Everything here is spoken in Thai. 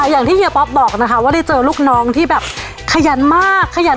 อย่างที่เฮียบอฟบอกนะครับว่าได้เจอลูกน้องที่แบบขยันมากขยัน